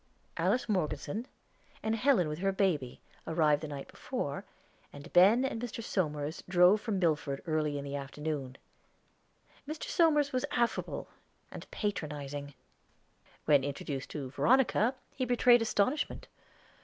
Alice Morgeson, and Helen with her baby, arrived the night before; and Ben and Mr. Somers drove from Milford early in the afternoon. Mr. Somers was affable and patronizing. When introduced to Veronica, he betrayed astonishment.